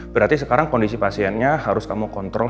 berarti sekarang kondisi pasiennya harus kamu kontrol